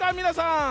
皆さん！